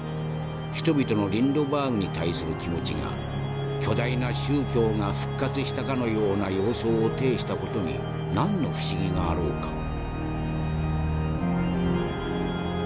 人々のリンドバーグに対する気持ちが巨大な宗教が復活したかのような様相を呈した事に何の不思議があろうか」。